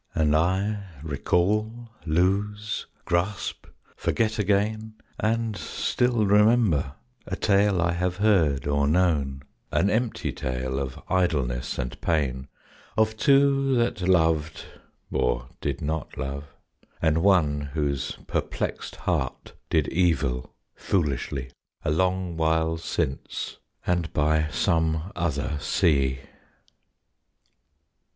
And I recall, lose, grasp, forget again, And still remember, a tale I have heard, or known An empty tale, of idleness and pain, Of two that loved or did not love and one Whose perplexed heart did evil, foolishly, A long while since, and by some other sea.